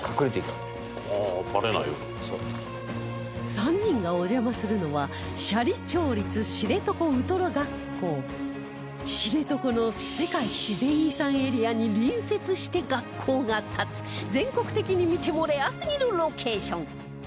３人がお邪魔するのは知床の世界自然遺産エリアに隣接して学校が立つ全国的に見てもレアすぎるロケーション